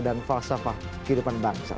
dan falsafah kehidupan bangsa